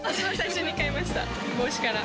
帽子から。